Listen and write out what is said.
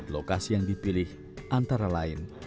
lokasi yang dipilih antara lain